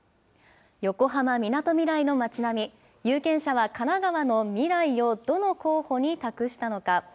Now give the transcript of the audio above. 横浜・みなとみらいの町並み、有権者は神奈川のみらいをどの候補に託したのか。